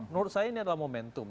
menurut saya ini adalah momentum